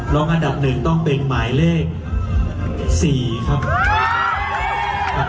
อันดับหนึ่งต้องเป็นหมายเลข๔ครับ